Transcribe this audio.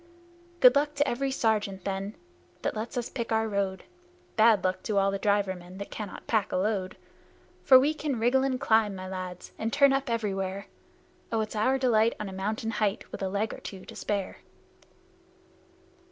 Good luck to every sergeant, then, that lets us pick our road; Bad luck to all the driver men that cannot pack a load: For we can wriggle and climb, my lads, and turn up everywhere, Oh, it's our delight on a mountain height, with a leg or two to spare!